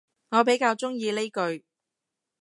我比較鍾意呢句